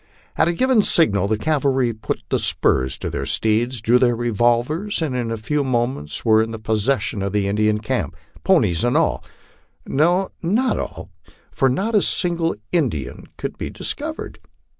At a given signal the cavalry put spurs to their steeds, drew their revolvers, and in a few moments were in possession of the Indian camp, ponies and all no, not all, for not a single Indian could be dis covered.